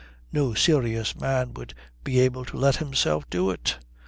No serious man would be able to let himself do it.